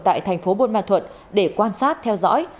tại thành phố buôn ma thuận để quan sát theo dõi